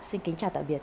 xin kính chào tạm biệt